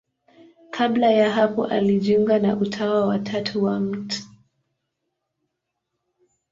Kabla ya hapo alijiunga na Utawa wa Tatu wa Mt.